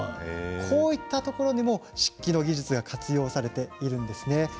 こういったところにも漆器の技術が活用されているんです。